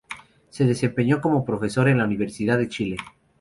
Se desempeñó como profesor en la Universidad de Chile.